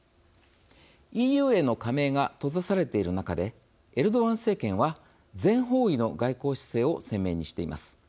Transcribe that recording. ＥＵへの加盟が閉ざされている中でエルドアン政権は全方位の外交姿勢を鮮明にしています。